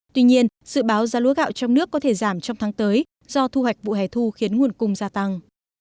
tuy nhiên dự báo giá lúa gạo trong nước có thể giảm trong tháng tới do thu hoạch vụ hẻ thu khiến nguồn cung gia tăng